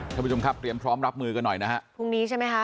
ท่านผู้ชมครับเตรียมพร้อมรับมือกันหน่อยนะฮะพรุ่งนี้ใช่ไหมคะ